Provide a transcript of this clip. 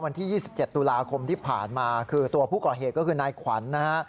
วันที่๒๗ตุลาคมที่ผ่านมาคือตัวผู้ก่อเหตุก็คือนายขวัญนะฮะ